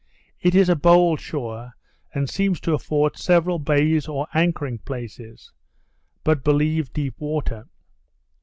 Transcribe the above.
It is a bold shore, and seems to afford several bays or anchoring places, but believe deep water.